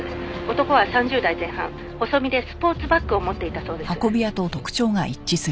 「男は３０代前半細身でスポーツバッグを持っていたそうです」ん？